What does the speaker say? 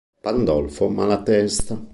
Pandolfo Malatesta